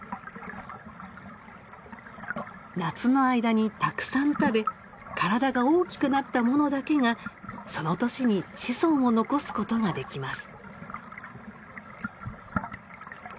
夏の間にたくさん食べ体が大きくなったものだけがその年に子孫を残すことができます。